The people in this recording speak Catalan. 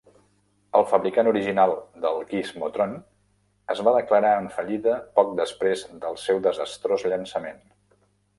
El fabricant original del Gizmotron es va declarar en fallida poc després del seu desastrós llançament.